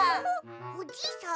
おじいさん？